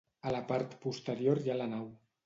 A la part posterior hi ha la nau.